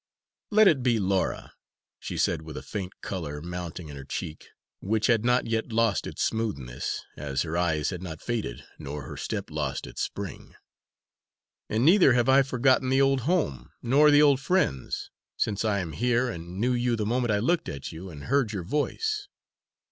"Let it be Laura," she said with a faint colour mounting in her cheek, which had not yet lost its smoothness, as her eyes had not faded, nor her step lost its spring. "And neither have I forgotten the old home nor the old friends since I am here and knew you the moment I looked at you and heard your voice."